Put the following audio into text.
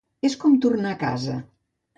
És com tornar a casa.